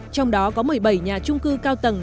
trong đó có một mươi bảy nhà trung cư cao tầng